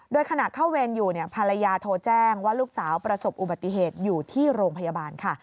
โดยขณะเข้าเวรอยู่ภรรยาโทรแจ้งว่าลูกสาวประสบอุบัติเหตุอยู่ที่โรงพยาบาลค่ะ